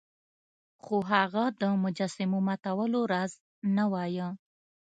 خو هغه د مجسمو ماتولو راز نه وایه.